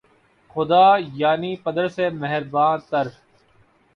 خدا‘ یعنی پدر سے مہرباں تر